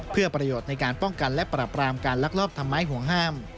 เพื่อประโยชน์ในการป้องกันและปรับรามการลักลอบทำไมห่วงห้าม